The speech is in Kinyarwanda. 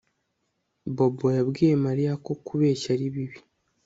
Bobo yabwiye Mariya ko kubeshya ari bibi